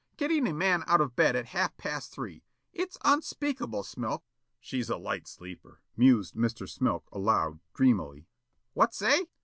Getting a man out of bed at half past three! It's unspeakable, Smilk!" "She's a light sleeper," mused Mr. Smilk aloud, dreamily. "What say?"